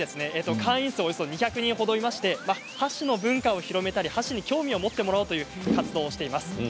会員数はおよそ２００人ほどいまして、箸の文化を広げたり箸に興味を持ってもらおうという活動しています。